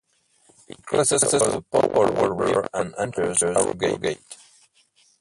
It crosses over the Powell River and enters Harrogate.